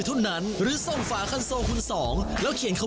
จะได้รุนกันต่อไปนี้